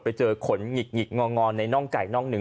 ไปเจอขนหงิกงอในน่องไก่น่องหนึ่ง